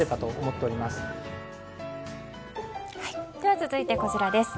続いて、こちらです。